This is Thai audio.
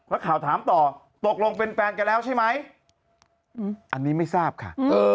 นักข่าวถามต่อตกลงเป็นแฟนกันแล้วใช่ไหมอันนี้ไม่ทราบค่ะ